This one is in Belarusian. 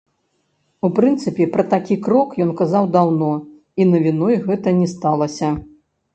У прынцыпе, пра такі крок ён казаў даўно, і навіной гэта не сталася.